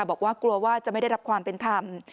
บอกว่ากลัวว่าจะไม่ได้รับความเป็นธรรม